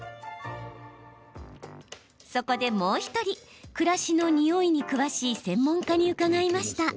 そこでもう１人暮らしのニオイに詳しい専門家に伺いました。